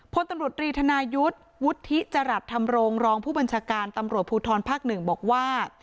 พลตำรวจรีธนายุทธ์วุฒิจรัสธรรมรงรองผู้บัญชาการตำรวจภูทรภาค๑บอกว่า